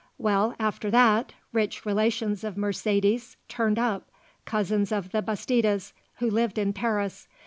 Well, after that, rich relations of Mercedes's turned up cousins of the Bastidas', who lived in Paris.